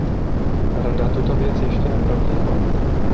Rada tuto věc ještě neprobírala.